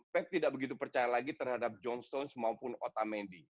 pep tidak begitu percaya lagi terhadap john stones maupun otamendi